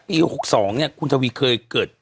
ปี๖๒เนี่ยคุณทวีเคยเกิด